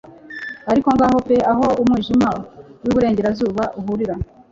Ariko ngaho pe aho umwijima wiburengerazuba uhurira